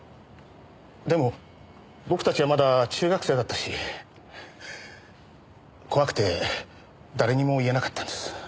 でも僕たちはまだ中学生だったし怖くて誰にも言えなかったんです。